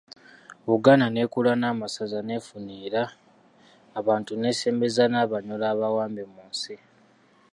"Buganda n’ekula n’amasaza n'efuna era, abantu n’esembeza n’Abanyoro abawambe mu nsi."